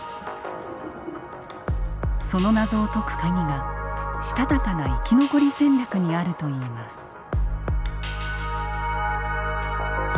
その謎を解くカギがしたたかな生き残り戦略にあるといいます。